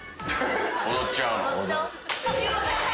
踊っちゃうの？